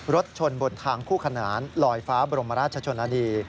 รถชนบนทางคู่ขนานลอยฟ้าบรมราชชนนานี